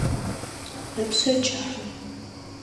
Ыпшъэ кӏыхьэ.